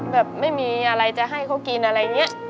แบบไม่มีอะไรจะให้เค้ากินอะไรเงี้ย